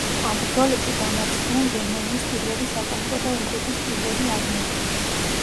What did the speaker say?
ამ ბრძოლებში დამარცხდნენ გერმანიის პირველი სატანკო და უნგრეთის პირველი არმიები.